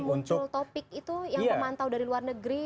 muncul topik itu yang pemantau dari luar negeri